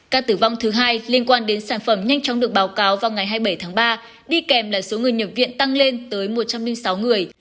ca tử vong thứ hai liên quan đến sản phẩm nhanh chóng được báo cáo vào ngày hai mươi bảy tháng ba đi kèm là số người nhập viện tăng lên tới một trăm linh sáu người